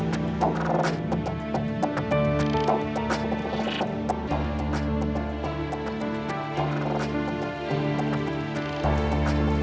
kita yang teranasih makan di keruh iniel